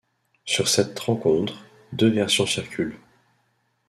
Sur cette rencontre, deux versions circulent.